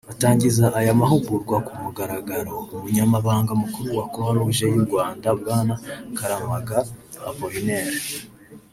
Atangiza aya mahugurwa ku mugaragaro Umunyamabanga mukuru wa Croix-Rouge y’ U Rwanda bwana Karamaga Apollinaire